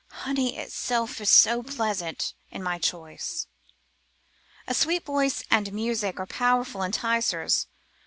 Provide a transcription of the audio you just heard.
Honey itself is not so pleasant in my choice. A sweet voice and music are powerful enticers.